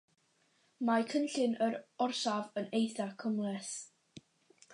Mae cynllun yr orsaf yn eithaf cymhleth.